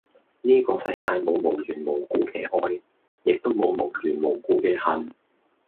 呢個世界冇無緣無故嘅愛，亦都冇無緣無故嘅恨